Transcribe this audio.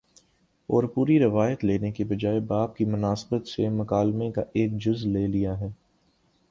اور پوری روایت لینے کے بجائے باب کی مناسبت سے مکالمے کا ایک جز لے لیا ہے